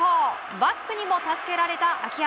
バックにも助けられた秋山。